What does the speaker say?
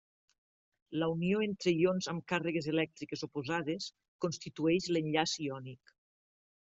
La unió entre ions amb càrregues elèctriques oposades constitueix l'enllaç iònic.